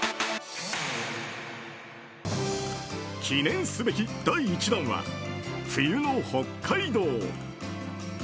記念すべき第１弾は冬の北海道。